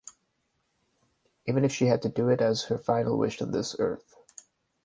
Even if she had to do it as her final wish on this earth.